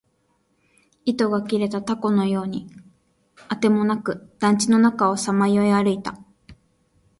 糸が切れた凧のようにあてもなく、団地の中をさまよい歩いた